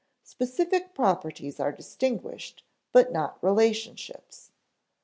Specific properties are distinguished, but not relationships.